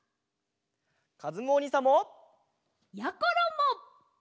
かずむおにいさんも！やころも！